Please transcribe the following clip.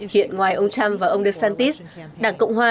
hiện ngoài ông trump và ông desantis đảng cộng hòa